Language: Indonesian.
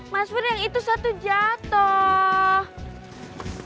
mas pur yang itu satu jatoh